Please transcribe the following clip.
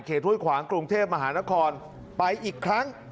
ห้วยขวางกรุงเทพมหานครไปอีกครั้ง